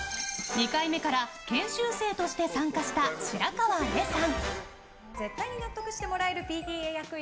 ２回目から研修生として参加した白河れいさん。